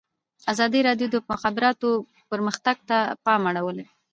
ازادي راډیو د د مخابراتو پرمختګ ته پام اړولی.